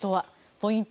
ポイント